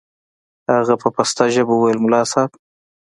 هغه په پسته ژبه وويل ملا صاحب.